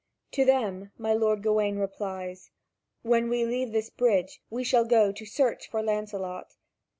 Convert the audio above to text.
To them my lord Gawain replies: "When we leave this bridge, we shall go to search for Lancelot."